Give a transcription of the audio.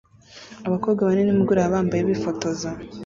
abakobwa bane nimugoroba bambaye bifotoza